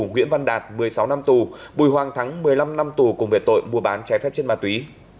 nguyễn văn đạt một mươi sáu năm tù bùi hoàng thắng một mươi năm năm tù cùng về tội mua bán trái phép chất ma túy